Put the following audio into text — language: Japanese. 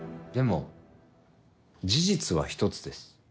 でも事実は１つです。